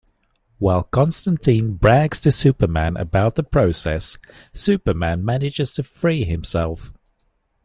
While Constantine brags to Superman about the process, Superman manages to free himself.